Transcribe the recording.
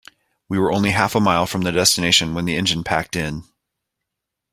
We were only half a mile from the destination when the engine packed in.